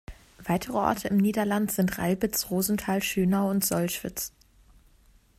Weitere Orte im Niederland sind Ralbitz, Rosenthal, Schönau und Sollschwitz.